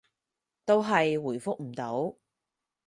都係回覆唔到